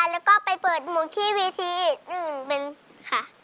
แล้วก็ไปเปิดหมวกที่วิธีอื่นเป็นค่ะ